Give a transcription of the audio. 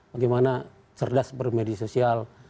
bagaimana cerdas bermedia sosial